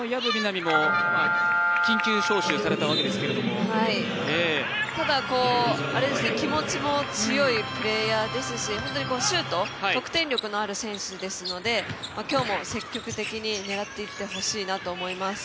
海も緊急招集されたわけですけどただ、気持ちも強いプレーヤーですし本当にシュート得点力のある選手ですので今日も積極的に狙っていってほしいなと思います。